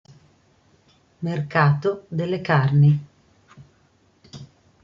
Mercato delle carni